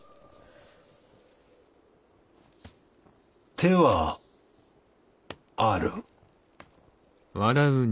手はある。